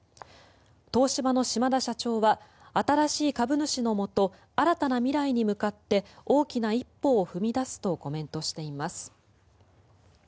東芝の島田社長は新しい株主のもと新たな未来に向かって大きな未来を踏み出すとコメントしています。